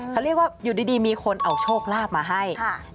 เขาเรียกว่าอยู่ดีมีคนเอาโชคลาภมาให้